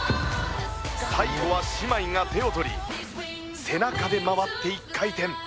最後は姉妹が手を取り背中で回って１回転。